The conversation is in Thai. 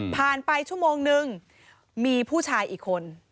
ไปชั่วโมงนึงมีผู้ชายอีกคน